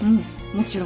もちろん